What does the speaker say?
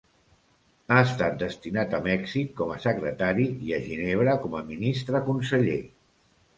Ha estat destinat a Mèxic com a secretari i a Ginebra com a Ministre Conseller.